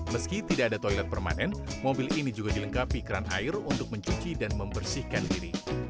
meski tidak ada toilet permanen mobil ini juga dilengkapi keran air untuk mencuci dan membersihkan diri